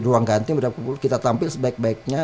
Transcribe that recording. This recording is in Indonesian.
ruang ganti berapa puluh kita tampil sebaik baiknya